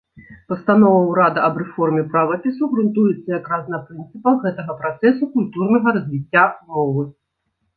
Пастанова ўрада аб рэформе правапісу грунтуецца якраз на прынцыпах гэтага працэсу культурнага развіцця мовы.